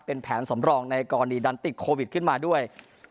เป็นแผนสำรองในกรณีดันติดโควิดขึ้นมาด้วย